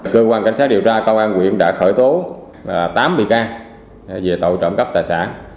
cơ quan cảnh sát điều tra công an quyện đã khởi tố tám bị can về tội trộm cắp tài sản